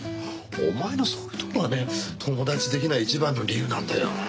お前のそういうとこがね友達できない一番の理由なんだよな。